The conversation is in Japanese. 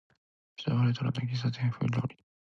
昭和レトロな喫茶店風料理